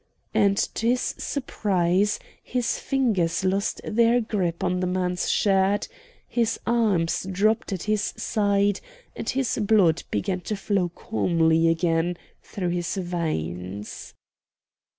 And, to his surprise, his fingers lost their grip on the man's shirt, his arms dropped at his side, and his blood began to flow calmly again through his veins.